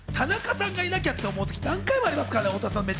田中さんがいなきゃと思うとき、何回もありますからね。